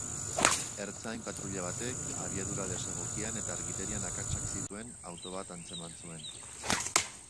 Ertzain patruila batek abiadura desegokian eta argiterian akatsak zituen auto bat atzeman zuen.